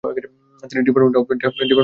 Department of damage control.